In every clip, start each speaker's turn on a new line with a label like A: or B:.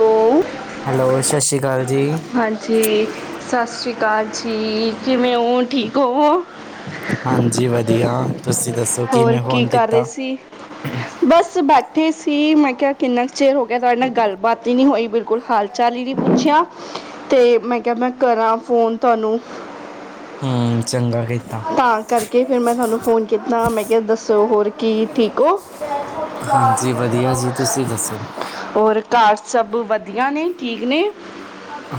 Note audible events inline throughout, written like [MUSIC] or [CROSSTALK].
A: Hello
B: hello ਸਤਿ ਸ਼੍ਰੀ ਅਕਾਲ। ਜੀ
A: ਹਾਂਜੀ ਸਤਿ ਸ਼੍ਰੀ ਅਕਾਲ। ਅਕਾਲ ਜੀ ਕਿਵੇਂ ਹੋ ਠੀਕ ਹੋਵੇ।
B: ਹਾਂਜੀ ਵਧੀਆ। ਤੁਸੀਂ ਦੱਸੋ
A: ਹੋਰ
B: ਕਿਵੇਂ
A: ਕੀ
B: ਫੋਨ
A: ਕਰ ਰਹੇ
B: ਕੀਤਾ
A: ਸੀ ਬਸ ਬੈਠੇ ਸੀ। ਸੀ ਮੈਂ ਕਿਹਾ ਕਿੰਨਾ ਕੁ ਚਿਰ ਹੋ ਗਿਆ ਤੁਹਾਡੇ ਨਾਲ ਗੱਲਬਾਤ ਹੀ ਨਹੀਂ ਹੋਈ ਬਿਲਕੁਲ ਹਾਲ ਚਾਲ ਹੀ ਨਹੀਂ ਪੁੱਛਿਆ ਤੇ ਮੈਂ ਕਿਹਾ ਮੈਂ ਕਰਾਂ ਫੋਨ ਤੁਹਾਨੂੰ?
B: ਹੂੰ ਚੰਗਾ ਏ।
A: ਤਾਂ ਕਰਕੇ ਫੇ? ਰ ਮੈਂ ਤੁਹਾਨੂੰ ਫੋਨ ਕੀਤਾ ਮੈਂ ਕਿਹਾ ਦੱਸੋ ਹੋਰ ਕੀ ਠੀਕ ਹੋ?
B: ਹਾਂਜੀ ਵਧੀਆ ਜੀ ਤੁਸੀਂ ਦੱਸੋ?
A: ਹੋਰ ਘਰ ਸਭ ਵਧੀਆ ਨੇ ਠੀਕ ਨੇ?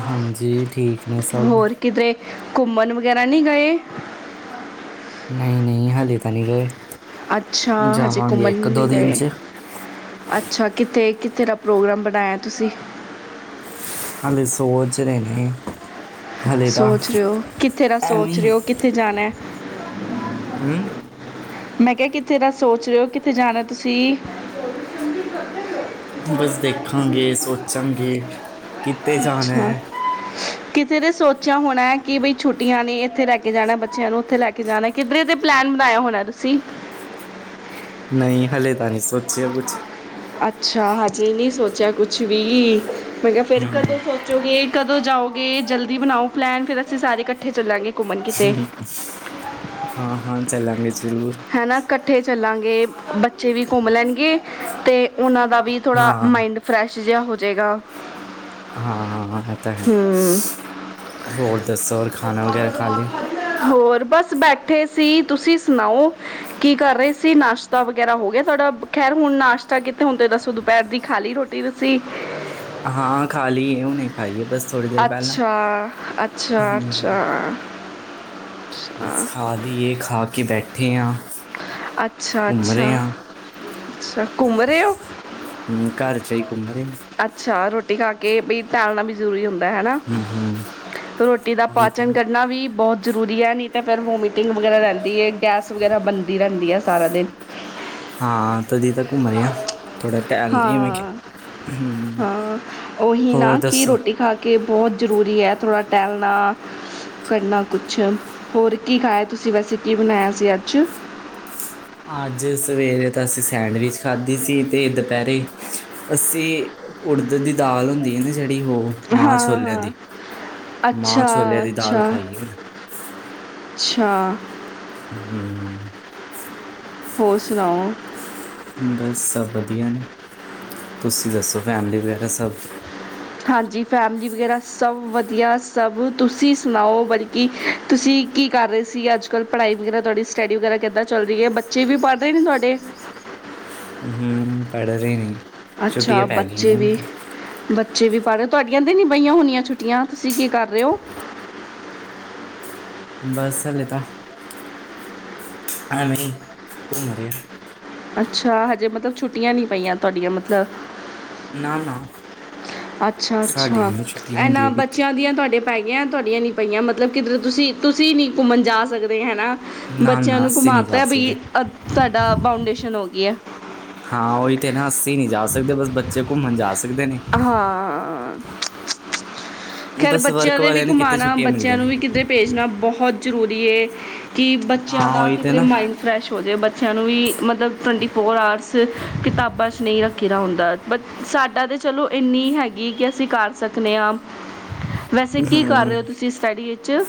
B: ਹਾਂਜੀ ਠੀਕ ਨੇ ਸਭ।
A: ਹੋਰ ਕਿਧਰੇ ਘੁੰਮਣ ਵਗੈਰਾ ਨਹੀਂ ਗਏ?
B: ਨਹੀਂ ਨਹੀਂ ਹਾਲੇ ਤਾਂ ਨਹੀਂ ਗਏ।
A: ਅੱਛਾ ਹਜੇ
B: ਜਾਵਾਂਗੇ
A: ਘੁੰਮਣ
B: ਇੱਕ
A: ਨਹੀਂ
B: ਦੋ
A: ਗਏ
B: ਦਿਨ ਚ
A: ਅੱਜ। ਅੱਛਾ ਕਿੱਥੇ ਕਿੱਥੇ ਦਾ ਪ੍ਰੋਗਰਾਮ ਬਣਾਇਆ ਤੁਸੀਂ?
B: ਹਲੇ ਸੋਚ ਰਹੇ ਨੇ। ਹਾਲੇ ਤਾਂ
A: ਸੋਚ ਰਹੇ ਹੋ ਕਿੱਥੇ ਦਾ
B: ਐਵੇਂ
A: ਸੋਚ
B: ਹੀ।
A: ਰਹੇ ਹੋ ਕਿੱਥੇ ਜਾਣਾ?
B: ਹੂੰ।
A: ਮੈਂ ਕਿਹਾ ਕਿੱਥੇ ਦਾ ਸੋਚ ਰਹੇ ਹੋ ਕਿੱਥੇ ਜਾਣਾ ਤੁਸੀਂ?
B: ਬਸ ਦੇਖਾਂਗੇ ਸੋਚਾਂਗੇ। ਕਿੱਥੇ ਜਾਣਾ
A: ਅੱਛਾ
B: ਹੈ।
A: ਕਿੱਥੇ ਤੇ ਸੋਚਿਆ ਹੋਣਾ ਕਿ ਬਈ ਛੁੱਟੀਆਂ ਨੇ ਇੱਥੇ ਲੈ ਕੇ ਜਾਣਾ ਬੱਚਿਆਂ ਨੂੰ ਉੱਥੇ ਲੈ ਕੇ ਜਾਣਾ ਕਿਧਰੇ ਦੇ ਪਲੈਨ ਬਣਾਇਆ ਹੋਣਾ ਤੁਸੀਂ?
B: ਨਹੀਂ ਹਲੇ ਤਾਂ ਨਹੀਂ ਸੋਚਿਆ ਕੁੱਛ
A: ਅੱਛਾ ਹਜੇ ਨਹੀਂ ਸੋਚਿਆ ਕੁੱਛ ਵੀ ਮੈਂ ਕਿਹਾ ਫਿਰ ਕਦੇ
B: ਹੂੰ
A: ਸੋਚੋਗੇ ਕਦੋਂ ਜਾਓਗੇ ਜਲਦੀ ਬਣਾਓ ਪਲੈਨ ਫਿਰ ਅਸੀਂ ਸਾਰੇ ਇਕੱਠੇ ਚੱਲਾਂਗੇ ਘੁੰਮਣ ਕਿਤੇ
B: ਹਾਂ ਹਾਂ ਚੱਲਾਂਗੇ ਜ਼ਰੂੱਰ
A: ਹਨਾ ਇਕੱਠੇ ਚਲੇ ਚਲਾਂਗੇ ਬੱਚੇ ਵੀ ਘੁੰਮ ਲੈਣਗੇ ਤੇ ਉਹਨਾਂ ਦਾ ਵੀ ਥੋੜਾ
B: ਹਾਂ
A: ਮਾਇੰਡ ਫਰੈਸ਼ ਜਿਹਾ ਹੋ ਜਗਾ
B: ਹਾਂ ਹਾਂ ਹਾਂ ਇਹ ਤਾਂ ਹੈ ਹੋਰ ਦੱਸੋ ਹੋਰ ਖਾਣਾ ਵਗੈਰਾ ਖਾ ਲਿਆ
A: ਇਕੱਠੇ ਸੀ ਤੁਸੀਂ ਸੁਣਾਓ ਕੀ ਕਰ ਰਹੇ ਸੀ ਨਾਸ਼ਤਾ ਵਗੈਰਾ ਹੋ ਗਿਆ ਤੁਹਾਡਾ ਖੈਰ ਹੁਣ ਨਾਸ਼ਤਾ ਕਿਤੇ ਹੁਣ ਤੇ ਦੱਸੋ ਦੁਪਹਿਰ ਦੀ ਖਾਲੀ ਰੋਟੀ ਤੁਸੀਂ
B: ਹਾਂ ਖਾ ਲਈ ਹੁਨੇ ਨਹੀਂ ਖਾਈਏ ਬਸ ਥੋੜ੍ਹੀ ਦੇਰ ਪਹਿਲਾਂ
A: ਅੱਛਾ ਅੱਛਾ ਅੱਛਾ
B: ਹਮ,
A: ਅੱਛਾ
B: ਬਸ ਖਾਲੀ ਇਹ ਖਾ ਕੇ ਬੈਠ ਬੈਠੇ ਹਾਂ
A: ਅੱਛਾ
B: ਘੁੰਮ
A: ਅੱਛਾ
B: ਰਹੇ ਹਾਂ
A: ਅੱਛਾ ਘੁੰਮ ਰਹੇ ਹੋ
B: ਹਮ, ਘਰ 'ਚ ਹੀ ਘੁੰਮ ਰਹੇ
A: ਅੱਛਾ ਰੋਟੀ ਰੋਟੀ ਖਾ ਕੇ ਵੀ ਟੇਲਣਾਂ ਵੀ ਜ਼ਰੂਰੀ ਹੁੰਦਾ ਹਨਾ
B: ਹਮ ਹਮ
A: ਰੋਟੀ ਦਾ
B: ਉਹੀ ਤਾਂ
A: ਪਾਚਨ
B: ਨਾ।
A: ਕਰਨਾ ਵੀ ਬਹੁਤ ਜ਼ਰੂਰੀ ਹੈ ਨਹੀਂ ਤਾਂ ਫਿਰ ਵੋਮੀਟਿੰਗ ਵਗੈਰਾ ਰਹਿੰਦੀ ਹੈ ਗੈਸ ਵਗੈਰਾ ਬੰਦ ਰਹਿੰਦੀ ਆ ਸਾਰਾ ਦਿਨ
B: ਹਾਂ ਤਦੀ ਤਾਂ ਘੁੰਮ ਰਹੀਹਾ ਥੋੜ੍ਹਾ ਟਹਿ ਲਈ ਮੈਂ
A: ਹਾਂ
B: ਕਿਹਾ ਹਮ
A: ਹਾਂ ਉਹੀ
B: ਹੋਰ
A: ਨਾ
B: ਦੱਸੋ
A: ਰੋਟੀ ਖਾ ਕਿ ਬਹੁਤ ਜ਼ਰੂਰੀ ਹੈ ਥੋੜ੍ਹਾ ਟਹਿਲਣਾ ਕਰਨਾ ਕੁਛ ਹੋਰ ਕੀ ਖਾਇਆ ਤੁਸੀਂ ਵੈਸੇ ਕੀ ਬਣਾਇਆ ਸੀ ਅੱਜ
B: ਅੱਜ ਸਵੇਰੇ ਤਾਂ ਅਸੀਂ ਸੈਂਡਵਿਚ ਖਾਧੀ ਸੀ ਤੇ ਦੁਪਹਿਰੇ ਅਸੀਂ ਉੜਦ ਦੀ ਦਾਲ ਹੁੰਦੀ ਹੈ ਨਾ ਜਿਹੜੀ ਮਾਂ
A: ਹਾਂ
B: ਛੋਲਿਆਂ
A: ਹਾਂ
B: ਦੀ ਮਾਂ
A: ਅੱਛਾ
B: ਛੋਲਿਆਂ ਦੀ ਦਾਲ
A: ਅੱਛਾ
B: ਖਾਈ ਉਹਨੇ
A: ਅੱਛਾ
B: ਹਮ
A: ਹੋਰ ਸੁਣਾਓ
B: ਬਸ ਸਭ ਵਧੀਆ ਨੇ ਤੁਸੀਂ ਦੱਸੋ ਫੈਮਲੀ ਵਗੈਰਾ ਸਭ
A: ਹਾਂਜੀ ਫੈਮਲੀ ਵਗੈਰਾ ਸਭ ਵਧੀਆ ਸਭ ਤੁਸੀਂ ਸੁਣਾਓ ਬਲਕਿ ਤੁਸੀਂ ਕੀ ਕਰ ਰਹੇ ਸੀ ਅੱਜ ਕੱਲ੍ਹ ਪੜ੍ਹਾਈ ਵਗੈਰਾ ਤੁਹਾਡੀ ਸਟੱਡੀ ਵਗੈਰਾ ਕਿੱਦਾਂ ਚੱਲ ਰਹੀ ਹੈ ਬੱਚੇ ਵੀ ਪੜ੍ਹ ਰਹੇ ਨੇ ਤੁਹਾਡੇ
B: ਹਮ ਪੜ੍ਹ ਰਹੇ ਨੇ
A: ਅੱਛਾ
B: ਛੁੱਟੀਆਂ ਪੈ ਗਈਆਂ
A: ਬੱਚੇ
B: ਨੇ ਹੁਣ
A: ਵੀ
B: ਤੇ
A: ਬੱਚੇ ਵੀ ਪੜ੍ਹ ਰਹੇ ਹੋ ਤੁਹਾਡੀਆਂ ਦੇ ਨੀ ਬਹੀਆਂ ਹੋਣੀਆਂ ਛੁੱਟੀਆਂ ਤੁਸੀਂ ਕੀ ਕਰ ਰਹੇ ਹੋ
B: ਬਸ ਹਾਲੇ ਤਾਂ ਹਾਂ ਮ ਕੁ ਮਰਿਆ
A: ਅੱਛਾ ਹਜੇ ਮਤਲਬ ਛੁੱਟੀਆਂ ਨੀ ਪਈਆਂ ਤੁਹਾਡੀਆਂ ਮਤਲਬ
B: ਨਾ ਨਾ
A: ਅੱਛਾ!
B: ਸਾਡੀ
A: ਅੱਛਾ
B: ਇੰਨੀ ਛੁੱਟੀ ਹੁੰਦੀ
A: ਇਹਨਾਂ
B: ਹੈ ਕਿਤੇ
A: ਬੱਚਿਆਂ ਦੀਆਂ ਤੁਹਾਡੇ ਪੈ ਗਿਆਂ ਤੁਹਾਡੀਆਂ ਨੀ ਪਈਆਂ ਮਤਲਬ ਕਿੱਧਰ ਤੁਸੀਂ -ਤੁਸੀਂ ਨੀ ਘੁੰਮਣ ਜਾ ਸਕਦੇ ਹੈ ਨਾ
B: ਨਾ
A: ਬੱਚਿਆਂ
B: ਨਾ
A: ਨੂੰ
B: ਅਸੀਂ ਨਹੀਂ ਜਾ
A: ਘੁਮਾਤਾਿਆ ਬ
B: ਸਕਦੇ
A: ਅ ਸਾਡਾ ਬਾਊਂਡੇਸ਼ਨ ਹੋ ਗਈ ਹੈ।
B: ਹਾਂ ਉਹੀ ਤੇ ਨਾ ਅਸੀਂ ਨਹੀਂ ਜਾ ਸਕਦੇ ਬੱਚੇ ਕੋ ਘੁੰਮਣ ਜਾ ਸਕ
A: ਹਾਂ ਖ਼ੈਰ
B: ਬਸ
A: ਬੱਚਿਆਂ
B: ਵਰਕ
A: ਦੇ ਵੀ
B: ਵਾਲਿਆਂ ਨੂੰ ਕਿਤੇ
A: ਘੁੰਮਾਉਣਾ
B: ਛੁੱਟੀਆਂ
A: ਬੱਚਿਆਂ
B: ਮਿਲਦੀਆਂ
A: ਨੂੰ
B: ਨੇ
A: ਵੀ ਕਿਧਰੇ ਭੇਜਣਾ ਬਹੁਤ ਜ਼ਰੂਰੀ ਹੈ। ਕਿ ਬੱਚਿਆਂ
B: ਹਾਂ
A: ਦਾ
B: ਉਹੀ ਤੇ
A: ਕਿਧਰੇ
B: ਨਾ
A: ਮਾਇੰਡ ਫਰੈਸ਼ ਹੋ ਜਾਵੇ ਬੱਚਿਆਂ ਨੂੰ ਵੀ ਮਤਲਬ ਟਵੰਟੀ ਫੋਰ ਆਰਟਸ ਕਿਤਾਬਾਂ 'ਚ ਨਹੀਂ ਰੱਖੇ ਦਾ ਹੁੰਦਾ ਬ ਸਾਡਾ ਤਾਂ ਚਲੋ ਇੰਨੀ ਹੈਗੀ ਕਿ ਅਸੀਂ ਕਰ ਸਕਦੇ ਹਾਂ। ਵੈਸੇ ਕੀ ਕਰ ਰਹੇ
B: ਹੂੰ
A: ਹੋ ਤੁਸੀਂ ਸਟੱਡੀ ਵਿੱਚ ਚ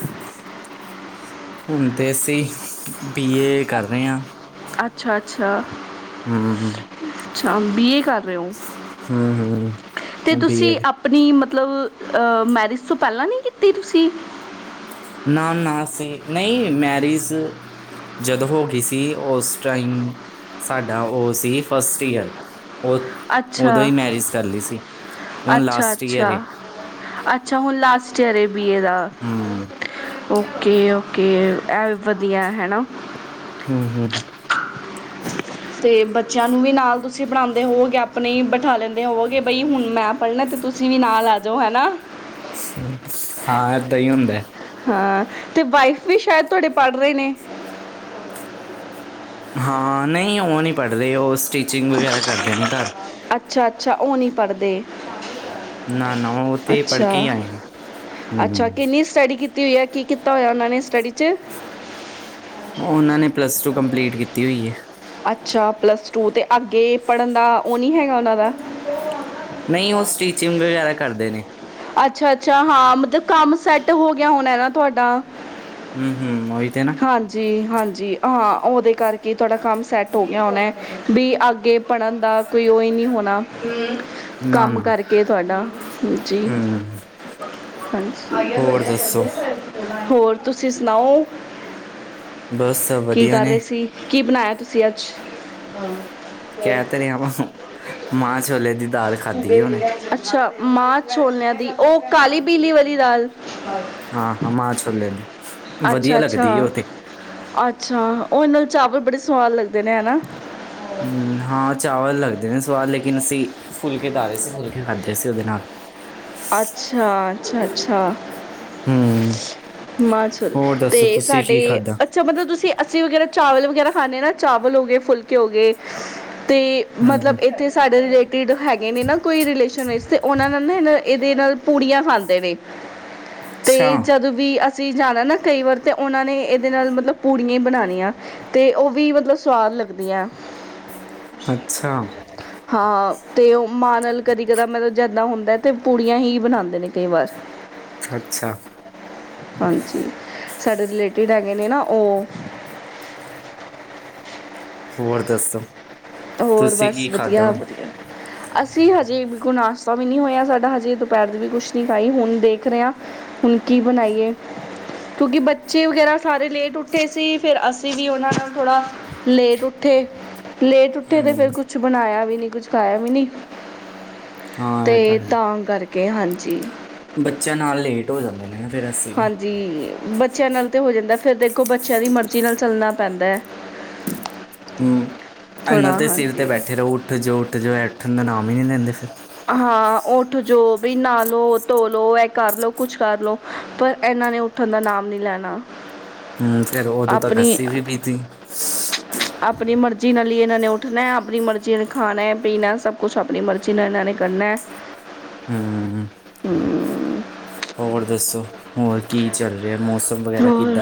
B: ਹੁਣ ਤੇ ਅਸੀਂ ਬੀ ਏ ਕਰ ਰਹੇ ਹਾਂ।
A: ਅੱਛਾ। ਅੱਛਾ
B: ਹਮ- ਹਮ
A: ਅੱਛਾ ਬੀ ਏ ਕਰ ਰਹੇ ਹੋ। ਤੇ
B: ਹੂੰ
A: ਤੁਸੀਂ
B: ਬੀਏ
A: ਆਪਣੀ ਮਤ ਮਤਲਬ ਮੈਰਿਜ ਤੋਂ ਪਹਿਲਾਂ ਨਹੀਂ ਕੀਤੀ ਤੁਸੀਂ
B: ਨਾ ਨਾ ਸੀ ਨਹੀਂ ਮੈਰਿਜ ਜਦੋਂ ਹੋ ਗਈ ਸੀ ਉਸ ਟਾਈਮ ਸਾਡਾ ਉਹ ਸੀ ਫਸਟ ਈਅਰ ਉਦੋਂ
A: ਅੱਛਾ
B: ਹੀ ਮੈਰਿਜ ਕਰ ਲਈ ਸੀ ਤੇ ਹੁਣ
A: ਅੱਛਾ
B: ਲਾਸਟ
A: ਅੱਛਾ
B: ਈਅਰ ਏ
A: ਅੱਛਾ! ਲਸਟ ਈਅਰਏ ਵੀ ਇਹ ਦਾ
B: ਹੂੰ
A: ਓਕੇ ਓਕੇ ਇਹ ਵਧੀਆ ਹੈ ਨਾ
B: ਹਮ ਹਮ
A: ਤੇ ਬੱਚਿਆਂ ਨੂੰ ਵੀ ਨਾਲ ਤੁਸੀਂ ਪੜਣਾਉਂਦੇ ਹੋਵੋਗੇ ਆਪਣੇ ਹੀ ਬਿਠਾ ਲੈਂਦੇ ਹੋਵੋਗੇ ਬਈ ਹੁਣ ਮੈਂ ਪੜ੍ਹਨਾ ਤੇ ਤੁਸੀਂ ਵੀ ਨਾਲ ਲੈ ਜਾਓ ਹੈ ਨਾ
B: ਹਾਂ ਏਦਾਂ ਹੀ ਹੁੰਦਾ।
A: ਹਾਂ ਤੇ ਵਾਈਫ ਵੀ ਸ਼ਾਇਦ ਤੁਹਾਡੇ ਪੜ੍ਹ ਰਹੇ ਨੇ।
B: ਹਾਂ ਨਹੀਂ ਉਹ ਨਹੀਂ ਪੜ੍ਹਦੇ ਉਹ ਸਟਿਚਿੰਗ ਵਗੈਰਾ ਕਰਦੇ ਨੇ। ਘਰ
A: ਅੱਛਾ। ਅੱਛਾ ਉਹ ਨਹੀਂ ਪੜ੍ਹਦੇ
B: ਨਾ ਨਾ ਉਹ ਉੱਥੇ
A: ਅੱਛਾ
B: ਪੜ੍ਹਕੇ ਹੀ ਆਏ ਨੇ ਹਮ ਹ
A: ਕੀ ਹੋਈਆ ਕੀ ਕੀਤਾ ਹੋਇਆ ਉਹਨਾਂ ਨੇ ਸਟੱਡੀ
B: ਉਹ ਉਹਨਾਂ ਨੇ ਪਲੱਸ ਟੂ ਕੰਪਲੀਟ ਕੀਤੀ ਹੋਈ ਹੈ।
A: ਅੱਛਾ ਪਲੱਸ ਟੂ ਅਤੇ ਅੱਗੇ ਪੜ੍ਹਨ ਦਾ ਉਹ ਨਹੀਂ ਹੈਗਾ ਉਹਨਾਂ ਦਾ।
B: ਨਹੀਂ ਉਹ ਸਟੀਚਿੰਗ ਵਗੈਰਾ ਕਰਦੇ ਨੇ।
A: ਅੱਛਾ। ਅੱਛਾ ਹਾਂ ਮਤਲਬ ਕੰਮ ਸੈੱਟ ਹੋ ਗਿਆ ਹੋਣਾ ਨਾ ਤੁਹਾਡਾ
B: ਹਮ ਹਮ ਉ ਹੀ ਤੇ ਨਾ
A: ਹਾਂਜੀ, ਹਾਂਜੀ ਹਾਂ ਉਹਦੇ ਕਰਕੇ ਤੁਹਾਡਾ ਕੰਮ ਸੈੱਟ ਹੋ ਗਿਆ ਹੋਣਾ ਵੀ ਅੱਗੇ ਪੜ੍ਹਨ ਦਾ ਕੋਈ ਉਹ ਹੀ ਨਹੀਂ ਹੋਣਾ।
B: ਨਾ
A: ਕੰਮ
B: ਨਾ
A: ਕਰਕੇ ਤੁਹਾਡਾ ਹਾਂਜੀ।
B: ਹੂੰ
A: ਹਾਂ
B: ਹੋਰ ਦੱਸੋ
A: [UNINTELLIGIBLE] ਹੋਰ ਤੁਸੀਂ ਸੁਣਾਓ?
B: ਬਸ
A: ਕੀ
B: ਵਧੀਆ
A: ਕਰ
B: ਨੇ।
A: ਰਹੇ ਸੀ ਕੀ ਬਣਾਇਆ ਤੁਸੀਂ ਅੱਜ?
B: ਕਹਿ ਤੇ ਰਿਹਾ ਵਾਂ ਮਾਂਹ ਛੋਲੇ ਦੀ ਦਾਲ ਖਾਧੀ ਹੈ ਉਹਨੇ
A: ਅੱਛਾ। ਮਾਂ ਛੋਲਿਆਂ ਦੀ ਉਹ ਕਾਲੀ ਪੀਲੀ ਵਾਲੀ ਦਾਲ
B: ਹਾਂ ਹਾਂ ਮਾਹ ਛੋਲਿਆ ਦੀ ਵਧੀਆ
A: ਅੱਛਾ ਅੱਛਾ
B: ਲੱਗਦੀ ੳਤੇ
A: ਅੱਛਾ ਉਹ ਨਾਲ ਚਾਵਲ ਬੜੇ ਸਵਾਦ ਲੱਗਦੇ ਨੇ ਹੈ ਨਾ।
B: ਹਮ, ਹਾਂ ਚਾਵਲ ਲੱਗਦੇ ਨੇ ਸਵਾਦ ਲੇਕਿਨ ਅਸੀਂ ਫੁਲਕੇ ਤਾਰੇ ਸੀ
A: ਅੱਛਾ ਅੱਛਾ ਅੱਛਾ।
B: ਹੂੰ
A: ਮਾਹ
B: ਹੋਰ ਦੱਸੋ
A: ਛੋਲੇ
B: ਤੁਸੀਂ
A: ਸਾਡੇ
B: ਕੀ ਖਾਧਾ
A: ਅੱਛਾ ਮਤਲਬ ਤੁਸੀਂ ਅਸੀਂ ਵਗੈਰਾ ਚਾਵਲ ਵਗੈਰਾ ਖਾਂਦੇ ਹਾਂ ਨਾ ਚਾਵਲ ਹੋ ਗਏ ਫੁਲਕੇ ਹੋ ਗਏ। ਅਤੇ
B: ਹੂੰ ਹੂੰ
A: ਮਤਲਬ ਇੱਥੇ ਸਾਡੇ ਰਿਲੇਟ ਤੇ ਦੇ ਹੈਗੇ ਨੇ ਨਾ ਕੋਈ ਰਿਲੇਸ਼ਨ ਵਿੱਚ ਤੇ ਉਹਨਾਂ ਨੇ ਨਾ ਇਹਨਾਂ ਇਹਦੇ ਨਾਲ ਪੂੜੀਆਂ ਖਾਂਦੇ ਨੇ ਤੇ
B: ਅੱਛਾ
A: ਜਦੋਂ ਵੀ ਅਸੀਂ ਅਸੀਂ ਜਾਣਾ ਨਾ ਕਈ ਵਾਰ ਤਾਂ ਉਹਨਾਂ ਨੇ ਇਹਦੇ ਨਾਲ ਮਤਲਬ ਪੂੜੀਆਂ ਹੀ ਬਣਾਉਣੀਆਂ ਤੇ ਉਹ ਵੀ ਮਤਲਬ ਸਵਾਦ ਲੱਗਦੀਆਂ।
B: ਅੱਛਾ।
A: ਹਾਂ ਤੇ ਮਾਣਲ ਕਦੀ ਕਦਾ ਮਿਲ ਜਾਦਾ ਹੁਣ ਤੇ ਪੁੂੜੀਆਂ ਹੀ ਬਣਾਉਂਦੇ ਨੇ ਕਈ ਵਾਰ।
B: ਅੱਛਾ ਅੱਛਾ
A: ਹਾਂਜੀ ਸਾਡੇ ਰਿਲੇਟਿਡ ਹੈਗੇ ਨੇ ਨਾ। ਉਹ
B: ਹੋਰ ਦਸੋ
A: ਹੋਰ ਬਸ ਵਧੀਆ ਵਧੀਆ ਅਸੀਂ ਹਜੇ ਬਿਲਕੁਲ ਨਾਸ਼ਤਾ ਵੀ ਨਹੀਂ ਹੋਇਆ ਸਾਡਾ ਹਜੇ ਦੁਪਹਿਰ ਦੀ ਵੀ ਕੁਛ ਨੀ ਖਾਈ ਹੁਣ ਦੇਖ ਰਹੇ ਹ ਹੁਣ ਕੀ ਬਣਾਈਏ ਕਿਉਂਕਿ ਬੱਚੇ ਵਗੈਰਾ ਸਾਰੇ ਲੇਟ ਉੱਠੇ ਸੀ ਫਿਰ ਅਸੀਂ ਵੀ ਉਹਨਾਂ ਨਾਲ ਥੋੜਾ ਲੇਟ ਉੱਠੇ ਲੇਟ ਤੇ ਫੇਰ
B: ਹੂੰ
A: ਕੁਛ ਬਣਾਇਆ ਵੀ ਨੀ ਤੇ ਕੁਝ ਖਾਇਆ ਵੀ ਨੀ ਤੇ
B: ਹਾਂ ਇਹ ਹੈ
A: ਤਾਂ ਕਰਕੇ ਕਿਹ ਹਾਂਜੀ।
B: ਬੱਚਿਆਂ ਨਾਲ ਲੇਟ ਹੋ ਜਾਂਦੇ ਨੇ ਨਾ। ਫਿਰ ਅਸੀਂ ਵੀ।
A: ਹਾਂਜੀ ਬੱਚੇ। ਬੱਚਿਆਂ ਨਾਲ ਤੇ ਹੋ ਜਾਂਦਾ ਫੇਰ ਦੇਖੋ ਬੱਚਿਆਂ ਦੀ ਮਰਜ਼ੀ ਨਾਲ ਚੱਲਣਾ ਪੈਂਦਾ ਹੈ।
B: ਹੂੰ। ਇਨਾਂ
A: ਥੋੜ੍ਹਾ
B: ਦੇ ਸਿਰ ਤੇ
A: ਹਾਂਜੀ
B: ਬੈਠੇ ਰਹੋ ਉੱਠ ਜੋ ਉੱਠ ਜੋ। ਉੱਠਣ ਦਾ ਨਾਮ ਹੀ ਨਹੀਂ ਲੈਂਦੇ ਫੇਰ।
A: ਹਾਂ ਉੱਠ ਜੋ ਵੀ ਨਾ ਲੋ ਧੋ ਲੋ ਇਹ ਕਰ ਲੋ ਕੁਛ ਕਰ ਲੋ ਪਰ ਇਹਨਾਂ ਨੇ ਉੱਠਣ ਦਾ ਨਾਮ ਨੀ ਲੈਣਾ।
B: ਹੂੰ ਫੇਰ ਉਦੋਂ ਤਾਂ
A: ਆਪਣੀ
B: ਲੱਸੀ ਵੀ ਪੀਤੀ।
A: ਆਪਣੀ ਮਰਜ਼ੀ ਨਾਲ ਹੀ ਇਹਨਾਂ ਨੇ ਉੱਠਣਾ ਆਪਣੀ ਮਰਜ਼ੀ ਨੇ ਖਾਣਾ ਪੀਣਾ ਸਭ ਕੁਛ ਆਪਣੀ ਮਰਜ਼ੀ ਨਾਲ ਇਹਨਾਂ ਨੇ। ਕਰਨਾ।
B: ਹੂੰ।
A: ਹੂੰ।
B: ਹੋਰ ਦੱਸੋ ਹੋਰ ਕੀ ਚੱਲ ਰਿਹਾ ਹੈ?
A: ਹੋਰ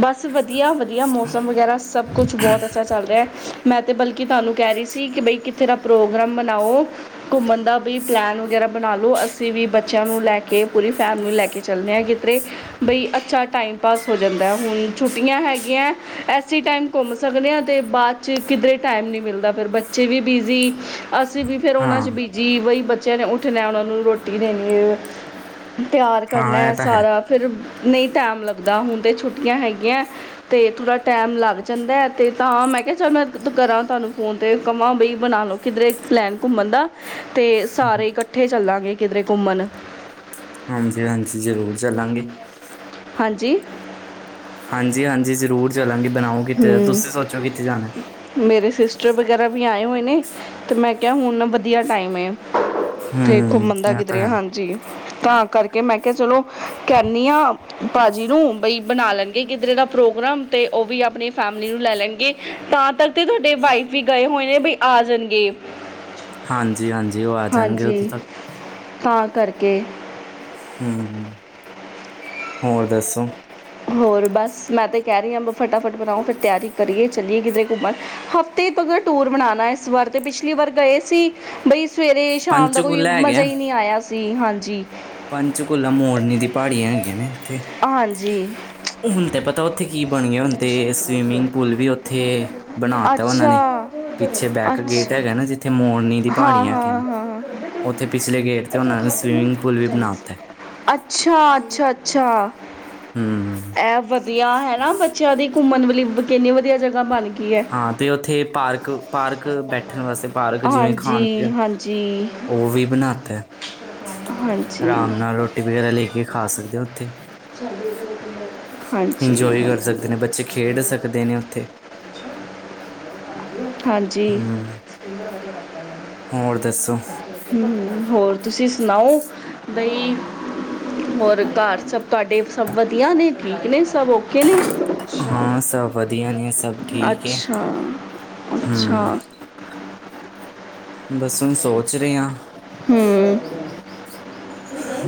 A: ਬਸ ਵਧੀਆ ਵਧੀਆ ਮੌਸਮ ਵਗੈਰਾ ਸਭ ਕੁਛ ਬਹੁਤ ਅੱਛਾ ਚੱਲ ਰਿਹਾ ਹੈ ਮੈਂ। ਅਤੇ ਬਲਕਿ ਤੁਹਾਨੂੰ ਕਹਿ ਰਹੀ ਸੀ ਕਿ ਬਈ ਕਿੱਥੇ ਦਾ ਪ੍ਰੋਗਰਾਮ ਬਣਾਓ ਘੁੰਮਣ ਦਾ ਵੀ ਪਲੈਨ ਵਗੈਰਾ ਬਣਾ ਲਉ ਅਸੀਂ ਵੀ ਬੱਚਿਆਂ ਨੂੰ ਲੈ ਕੇ ਪੂਰੀ ਫੈਮਿਲੀ ਨੂੰ ਲੈ ਕੇ ਚੱਲਦੇ ਹਾਂ ਕਿਧਰੇ ਬਈ। ਅੱਛਾ ਟਾਈਮ ਪਾਸ ਹੋ ਜਾਂਦਾ ਹੁਣ ਛੁੱਟੀਆਂ ਹੈਗੀਆਂ ਐਸੀ ਟਾਈਮ ਘੁੰਮ ਸਕਦੇ ਹਾਂ ਅਤੇ ਬਾਅਦ 'ਚ ਕਿਧਰੇ ਟਾਈਮ ਨਹੀਂ ਮਿਲਦਾ ਫਿਰ ਬੱਚੇ ਵੀ ਬਿਜ਼ੀ। ਅਸੀਂ ਵੀ ਫਿਰ ਉਹਨਾਂ
B: ਹਾਂ
A: 'ਚ ਬੀਜੀ ਬਈ। ਬੱਚਿਆਂ ਨੇ ਉੱਠਣਾ ਉਹ ਨੂੰ ਰੋਟੀ ਦੇਣੀ। ਤਿਆਰ
B: ਹਾਂ
A: ਕਰਨਾ
B: ਇਹ ਤਾਂ ਹੈ
A: ਸਾਰਾ ਫਿਰ। ਨਹੀਂ ਟਾਈਮ ਲੱਗਦਾ ਹੁਣ ਤਾਂ ਛੁੱਟੀਆਂ ਹੈਗੀਆਂ ਤੇ ਥੋੜ੍ਹਾ ਟਾਈਮ ਲੱਗ ਜਾਂਦਾ ਤੇ ਤਾਂ ਮੈਂ ਕਿਹਾ ਚਲ ਮੈਂ ਕਰਾਂ ਤੁਹਾਨੂੰ ਫੋਨ ਤੇ ਕਹਾਂ ਬਈ ਬਣਾ ਲਓ ਕਿੱਧਰੇ ਪਲੈਨ ਘੁੰਮਣ ਦਾ। ਤੇ ਸਾਰੇ ਇਕੱਠੇ ਚੱਲਾਂਗੇ। ਕਿਧਰੇ ਘੁੰਮਣ।
B: ਹਾਂਜੀ ਹਾਂਜੀ ਜ਼ਰੂਰ ਚੱਲਾਂਗੇ।
A: ਹਾਂਜੀ।
B: ਹਾਂਜੀ ਹਾਂਜੀ ਜ਼ਰੂਰ ਚੱਲਾਂਗੇ। ਬਣਾਓ ਕਿੱਥੇ
A: ਹੂੰ
B: ਤੁਸੀਂ ਸੋਚੋ ਕਿੱਥੇ ਜਾਣਾ?
A: ਮੇਰੇ ਸਿਸਟਰ ਵਗੈਰਾ ਵੀ ਆਏ ਹੋਏ ਨੇ ਤੇ ਮੈਂ ਕਿਹਾ ਹੁਣ ਵਧੀਆ ਟਾਈਮ ਹੈ। ਤੇ
B: ਹੂੰ
A: ਘੁੰਮਣਦਾ
B: ਇਹ ਤਾਂ
A: ਕਿਧਰੇ
B: ਹੈ
A: ਹਾਂਜੀ। ਤਾਂ ਕਰਕੇ ਮੈਂ ਕਿਹਾ ਚਲੋ ਕਹਿਣੀ ਭਾਜੀ ਨੂੰ ਬਈ ਬਣਾ ਲੈਣਗੇ ਕਿਧਰੇ ਦਾ ਪ੍ਰੋਗਰਾਮ ਤੇ ਉਹ ਵੀ। ਆਪਣੀ ਫੈਮਲੀ ਨੂੰ ਲੈ ਲੈਣਗੇ ਤਾਂ ਤੱਕ ਤੇ ਤੁਹਾਡੇ ਵਾਈਫ ਵੀ ਗਏ ਹੋਏ ਨੇ ਬਈ ਆ ਜਾਣਗੇ।
B: ਹਾਂਜੀ ਹਾਂਜੀ ਉਹ ਆ ਜਾਣਗੇ ਉਦੋਂ
A: ਹਾਂਜੀ
B: ਤੱਕ।
A: ਤਾਂ ਕਰਕੇ।
B: ਹੂੰ ਹੋਰ ਦੱਸੋ?
A: ਹੋਰ ਬਸ ਮੈਂ ਤੇ ਕਹਿ ਰਹੀ ਹਾਂ ਫਟਾਫਟ ਬਣਾਓ ਫਿਰ ਤਿਆਰੀ ਕਰੀਏ ਚੱਲਏ ਕਿਧਰੇ ਘੁੰਮਣ ਹਫ਼ਤੇ ਤੱਕ ਟੂਰ ਬਣਾਉਣਾ ਇਸ ਵਾਰ ਤੇ ਪਿਛਲੀ ਵਾਰ ਗਏ ਸੀ ਬਈ। ਸਵੇਰੇ ਸ਼ਾਮ ਦਾ ਕੋਈ
B: ਪੰਚਕੂਲਾ
A: ਮਜ਼ਾ ਹੀ ਨਹੀਂ ਆਇਆ ਸੀ ਹਾਂਜੀ। ਜੀ।
B: ਪੰਚਕੁਲਾ ਮੋਰਨੀ ਦੀ ਪਹਾੜੀਆਂ ਹੈਗੀਆਂ ਨੇ।
A: ਹਾਂਜੀ
B: ਹੁਣ ਤੇ ਪਤਾ ਔ ਕੀ ਬਣਿਏ ਹੁਣ ਤੇ ਸਵੀਮਿੰਗ ਪੂਲ ਵੀ ਉੱਥੇ ਬਣਾ ਤਾ ਉਹਨਾਂ
A: ਅੱਛਾ
B: ਨੇ ਪਿੱਛੇ ਬੈਕ
A: ਅੱਛਾ
B: ਗੇਟ ਹੈਗਾ ਨਾ ਜਿੱਥੇ ਮੋ ਨੀ ਦੀ
A: ਹਾਂ
B: ਪਹਾੜੀ ਹੇਗੇ
A: ਹਾਂ
B: ਨ,
A: ਹਾਂ
B: ਉੱਥੇ ਪਿਛਲੇ ਗੇਟ ਤੇ ਉਹਨਾਂ ਨੂੰ ਸਵਿਮਿੰਗ
A: ਅੱਛਾ- ਅੱਛਾ ਅੱਛਾ।
B: ਹੂੰ
A: ਇਹ ਵਧੀਆ ਹੈਨਾ, ਬੱਚਿਆਂ ਦੀ ਘੁੰਮਣ ਵਲੀ ਕਿੰਨੀ ਵਧੀਆ ਜਗਾ ਬਣ ਗਈ ਹੈ
B: ਹਾਂ ਤੇ ਉੱਥੇ ਪਾਰਕ, ਪਾਰਕ ਬੈਠਣ ਵਾਸਤੇ ਪਾਰਕ ਜਿਵੇਂ ਖਾਣ
A: ਹਾਂਜੀ
B: ਪੀਣ ਅ
A: ਹਾਂਜੀ
B: ਉਹ ਵੀ ਬਣਾਤਾ,
A: ਹਾਂਜੀ
B: ਆਰਾਮ ਨਾਲ ਰੋਟੀ ਵਗੈਰਾ ਲੇ ਕੇ ਕੇ ਖਾ ਸਕਦੇ ਹੋ ਉੱਥੇ
A: [INAUDIBLE]
B: ਇੰਜੋਏ ਕਰ ਸਕਦੇ ਨੇ
A: ਹਾਂਜੀ
B: ਬੱਚੇ, ਖੇਡ ਸਕਦੇ ਨੇ ਉੱਥੇ।
A: ਹਾਂਜੀ,
B: ਹੂੰ ਹੋਰ ਦੱਸੋ
A: ਹੂੰ ਹੂੰ, ਹੋਰ ਤੁਸੀਂ ਸੁਣਾਓ ਬਈ ਹੋਰ ਘਰ ਸਭ ਤੁਹਾਡੇ ਸਭ ਵਧੀਆ ਨੇ, ਠੀਕ ਨੇ ਸਭ ਔ ਕਿਹਨੇ,
B: ਹਾਂ ਸਭ ਵਧੀਆ ਨੇ ਸਭ ਠੀਕ ਹੈ
A: ਅੱਛਾ। ਅੱਛਾ
B: ਹੂੰ ਬਸ ਹੁਣ ਸੋਚ ਰਹੇ ਹਾਂ
A: ਹੂੰ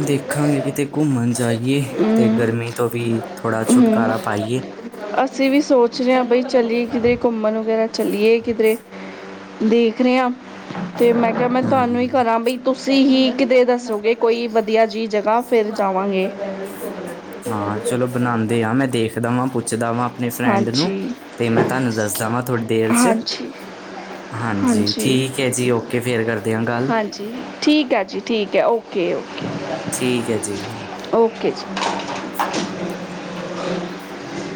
B: ਦੇਖਾਂਗੇ ਕਿਤੇ ਘੁੰਮਣ ਜਾਈਏ ਤੇ
A: ਹੂੰ
B: ਗਰਮੀ ਤੋਂ ਵੀ ਥੋੜ੍ਹਾ
A: ਹੂੰ
B: ਛੁਟਕਾਰਾ ਪਾਾਈਏ।
A: ਅਸੀਂ ਵੀ ਸੋਚ ਰਹੇ ਹਾਂ ਬਈ ਚਲੀਏ ਕਿਧਰੇ ਘੁੰਮਣ ਵਗੈਰਾ ਚਲੀਏ ਕਿਧਰੇ ਦੇਖ ਰਹੇ ਹਾਂ ਤੇ ਮੈਂ ਕਿਹਾ ਮੈਂ ਤੁਹਾਨੂੰ ਹੀ
B: ਹੂੰ
A: ਕਰਾਂ ਬਈ ਤੁਸੀਂ ਹੀ ਕਿਤੇ ਦੱਸੋਗੇ ਕੋਈ ਵਧੀਆ ਜੀ ਜਗ੍ਹਾ ਫੇਰ ਜਾਵਾਂਗੇ।
B: ਹਾਂ ਚਲੋ ਬਣਾਉਂਦੇ ਆ, ਮੈਂ ਦੇਖ ਦਾ ਵਾਂ, ਪੁੱਛਦਾ ਵਾਂ ਅਪਣੇ ਫਰੈਂਡ ਨੂੰ
A: ਹਾਂਜੀ
B: ਤੇ ਮੈਂ ਤੁਹਾਨੂੰ ਦੱਸਦਾ ਵਾਂ ਥੋੜ੍ਹੀ ਦੇਰ ਚ,
A: ਹਾਂਜੀ
B: ਹਾਂਜੀ ਠੀਕ ਹੈ ਜੀ ਔਕੇ ਫੇਿਰ ਕਰਦੇ ਹ ਗੱਲ
A: ਕੇ ਉਹ
B: ਠੀਕ ਹੈ ਜੀ। ਔਕੇ।
A: ਓਕੇ [INAUDIBLE]